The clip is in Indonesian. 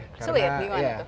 sulit di mana tuh